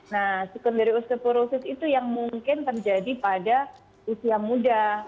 nah sukunderi osteporosis itu yang mungkin terjadi pada usia muda